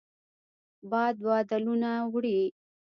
باد بادلونه وړي